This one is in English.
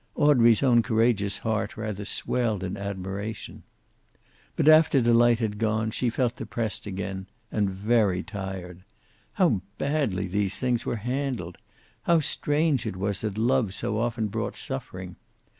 Audrey's own courageous heart rather swelled in admiration. But after Delight had gone, she felt depressed again, and very tired. How badly these things were handled! How strange it was that love so often brought suffering!